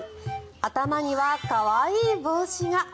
頭には可愛い帽子が。